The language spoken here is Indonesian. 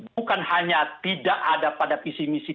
bukan hanya tidak ada pada visi misi